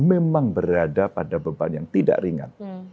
memang berada pada beban yang tidak ringan